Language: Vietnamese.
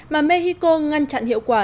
mà mexico ngăn chặn hiệu quả